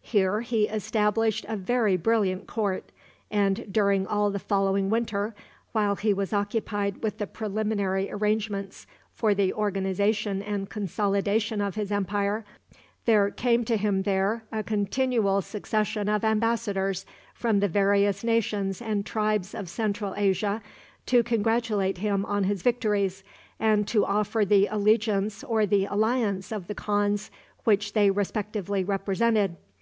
Here he established a very brilliant court, and during all the following winter, while he was occupied with the preliminary arrangements for the organization and consolidation of his empire, there came to him there a continual succession of embassadors from the various nations and tribes of Central Asia to congratulate him on his victories, and to offer the allegiance or the alliance of the khans which they respectively represented.